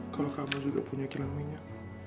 kalau kamu juga punya kilang minyak